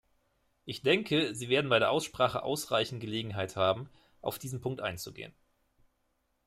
Ich denke, sie werden bei der Aussprache ausreichend Gelegenheit haben, auf diesen Punkt einzugehen.